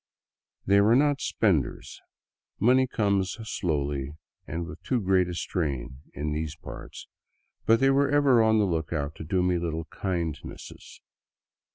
They were not " spenders "; money comes slowly and with too great a strain in these parts, but they were ever on the lookout to do me little kindnesses.